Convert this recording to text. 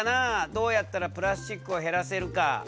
どうやったらプラスチックを減らせるか。